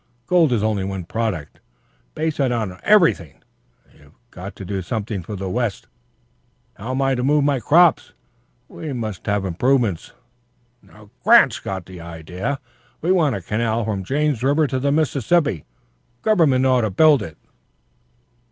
Gold is only one product. Base it on everything! You've got to do something for the West. How am I to move my crops? We must have improvements. Grant's got the idea. We want a canal from the James River to the Mississippi. Government ought to build it."